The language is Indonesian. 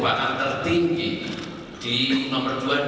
kami sangat yakin ini modal yang bagus bagi kita untuk tumbuh kedepannya